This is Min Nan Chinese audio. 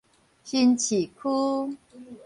新市區